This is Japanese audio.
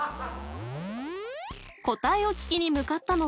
［答えを聞きに向かったのは］